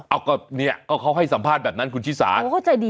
เอาก็เนี่ยก็เขาให้สัมภาษณ์แบบนั้นคุณชิสา